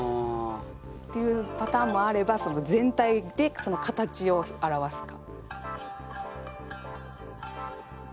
っていうパターンもあれば全体で形を表すか。